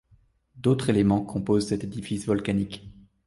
D'autres éléments composent cet édifice volcanique.